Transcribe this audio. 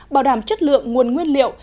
bảo đảm chất lượng nguồn gốc xuất xứ